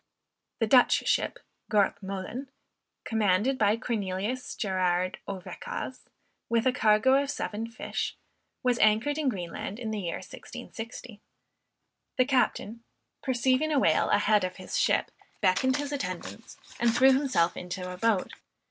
The Dutch ship Gort Moolen, commanded by Cornelius Gerard Ouwekaas, with a cargo of seven fish, was anchored in Greenland in the year 1660. The captain, perceiving a whale a head of his ship, beckoned his attendants, and threw himself into a boat.